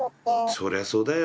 そりゃそうだよ